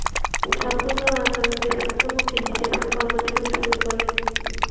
ঠাকুরগাঁও আদালতে প্রথম উকিল হিসেবে কর্মজীবন শুরু করেন।